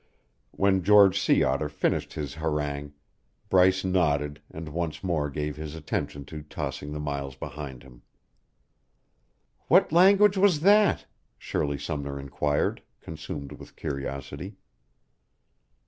When George Sea Otter finished his harangue, Bryce nodded and once more gave his attention to tossing the miles behind him. "What language was that?" Shirley Sumner inquired, consumed with curiosity.